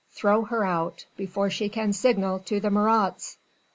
Throw her out before she can signal to the Marats!"